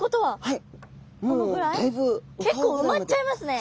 はい。